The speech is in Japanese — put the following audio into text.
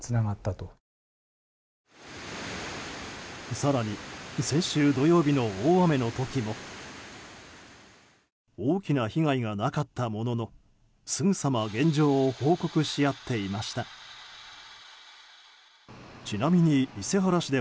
更に先週土曜日の大雨の時も大きな被害はなかったもののすぐさま現状を報告し合っていました。